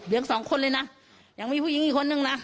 สองคนเลยนะยังมีผู้หญิงอีกคนนึงนะ